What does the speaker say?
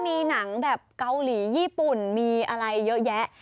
มีหนังแบบเกาหลีญี่ปุ่นมีอะไรเยอะแยะ